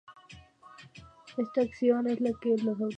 Su olor fue descrito como "vagamente frutal o fuertemente a rancio".